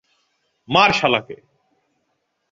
মার, শালাকে!